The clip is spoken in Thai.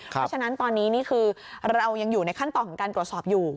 เพราะฉะนั้นตอนนี้นี่คือเรายังอยู่ในขั้นตอนของการตรวจสอบอยู่